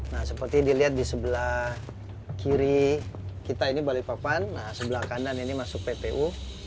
nah seperti dilihat di sebelah kiri kita ini balikpapan sebelah kanan ini masuk ppu